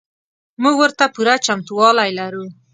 موږ ورته پوره چمتو والی لرو.